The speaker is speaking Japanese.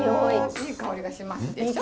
いい香りがしますでしょ。